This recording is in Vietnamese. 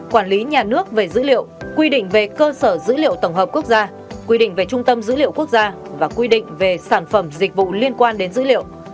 quản lý nhà nước về dữ liệu quy định về cơ sở dữ liệu tổng hợp quốc gia quy định về trung tâm dữ liệu quốc gia và quy định về sản phẩm dịch vụ liên quan đến dữ liệu